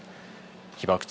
被爆地